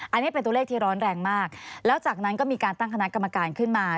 อันนี้เป็นตัวเลขที่ร้อนแรงมากแล้วจากนั้นก็มีการตั้งคณะกรรมการขึ้นมา